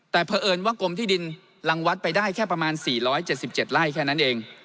แต่เผอิญว่ากรมที่ดินรังวัดไปได้แค่ประมาณ๔๗๗ไร่แค่นั้นเอง